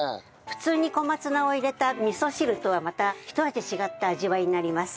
普通に小松菜を入れた味噌汁とはまたひと味違った味わいになります。